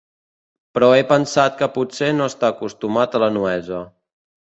Però he pensat que potser no està acostumat a la nuesa.